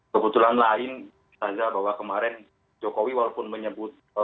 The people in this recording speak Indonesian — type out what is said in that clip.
kebetulan lain saja bahwa kemarin jokowi walaupun menyebut